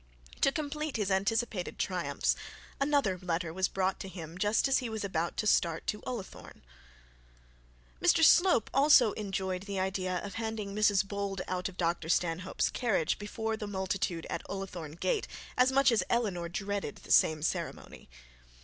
To complete his anticipated triumph, another letter was brought to him just as he was about to start to Ullathorne. Mr Slope also enjoyed the idea of handing Mrs Bold out of Dr Stanhope's carriage before the multitude at Ullathorne gate, as much as Eleanor dreaded the same ceremony.